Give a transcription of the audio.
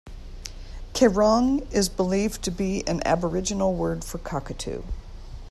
"Kerang" is believed to be an Aboriginal word for Cockatoo.